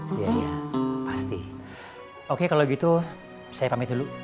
iya iya pasti oke kalau gitu saya pamit dulu